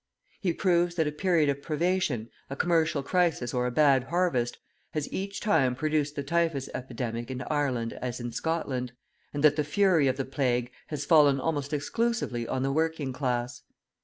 He proves that a period of privation, a commercial crisis or a bad harvest, has each time produced the typhus epidemic in Ireland as in Scotland, and that the fury of the plague has fallen almost exclusively on the working class.